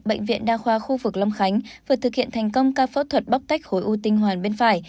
bệnh viện đa khoa khu vực long khánh vừa thực hiện thành công ca phẫu thuật bóc tách khối u tinh hoàn bên phải